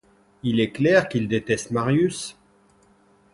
Il est clair qu'il déteste Marius.